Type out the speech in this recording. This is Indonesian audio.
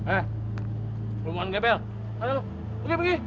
ayo pergi pergi